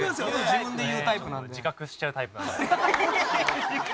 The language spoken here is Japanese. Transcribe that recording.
自分で言うタイプなんで。